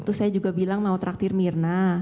lalu saya juga bilang mau traktir myrna